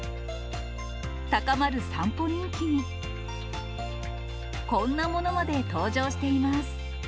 高まる散歩人気に、こんなものまで登場しています。